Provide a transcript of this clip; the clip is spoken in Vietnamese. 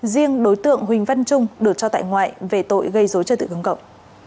riêng đối tượng huỳnh văn trung được cho tại ngoại về tội gây dối trật tự công cộng